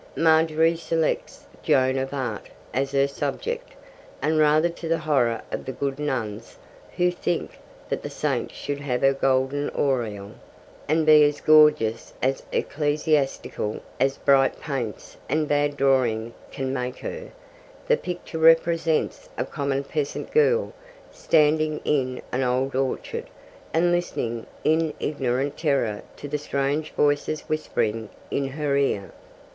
Margery selects Joan of Arc as her subject; and, rather to the horror of the good nuns, who think that the saint should have her golden aureole, and be as gorgeous and as ecclesiastical as bright paints and bad drawing can make her, the picture represents a common peasant girl, standing in an old orchard, and listening in ignorant terror to the strange voices whispering in her ear.